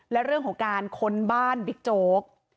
และเรื่องของการค้นบ้านบิ๊กโจ๊ก